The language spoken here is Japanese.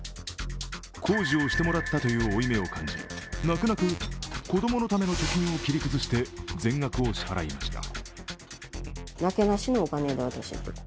工事をしてもらったという負い目を感じ泣く泣く子供のための貯金を切り崩して全額を支払いました。